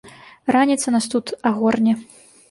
Раніца нас тут агорне.